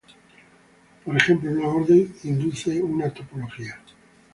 Por ejemplo, un orden induce una topología.